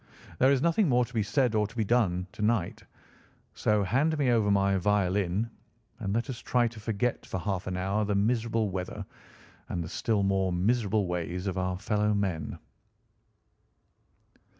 There is nothing more to be said or to be done to night, so hand me over my violin and let us try to forget for half an hour the miserable weather and the still more miserable ways of our fellow men."